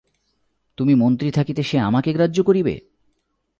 তুমি মন্ত্রী থাকিতে সে আমাকে গ্রাহ্য করিবে!